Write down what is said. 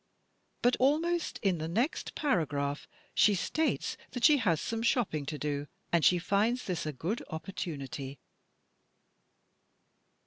But almost in the next para graph she states that she has some shopping to do, and she finds this is a good opportunity.